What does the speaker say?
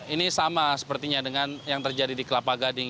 ini sama sepertinya dengan yang terjadi di kelapa gading